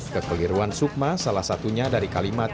kekeliruan sukma salah satunya dari kalimat